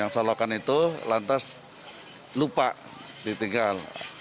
salokan itu lantas lupa ditinggal